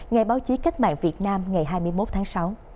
ngày báo chí cách mạng việt nam ngày hai mươi một tháng sáu